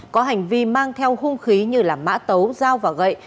có hành vi mang theo hung khí như mã tấu dao và gậy